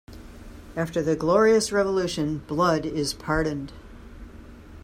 After the Glorious Revolution, Blood is pardoned.